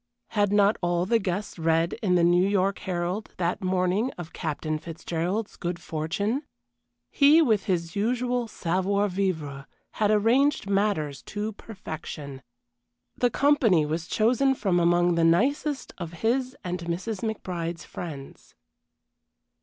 Had not all the guests read in the New York Herald that morning of Captain Fitzgerald's good fortune? He with his usual savoir vivre had arranged matters to perfection. The company was chosen from among the nicest of his and Mrs. McBride's friends.